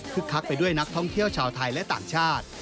คักไปด้วยนักท่องเที่ยวชาวไทยและต่างชาติ